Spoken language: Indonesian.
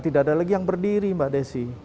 tidak ada lagi yang berdiri mbak desi